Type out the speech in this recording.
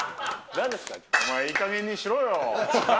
お前、いいかげんにしろよ。